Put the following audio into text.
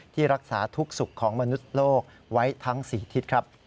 ที่รักษาทุกสุขของมนุษย์โลกไว้ทั้ง๔ทิศครับ